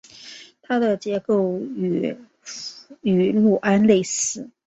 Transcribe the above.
它的结构与氯胺类似。